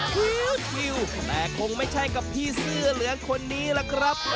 ฮิวแต่คงไม่ใช่กับพี่เสื้อเหลืองคนนี้ล่ะครับ